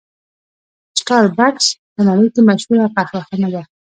سټار بکس په نړۍ کې مشهوره قهوه خانه ده.